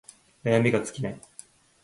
悩みが尽きない